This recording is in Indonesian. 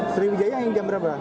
sriwijaya yang jam berapa